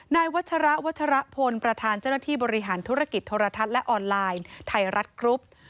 นายวัชระวัชรพลประธานเจ้าหน้าที่บริหารธุรกิจโทรทัศน์และออนไลน์ไทยรัฐกรุ๊ป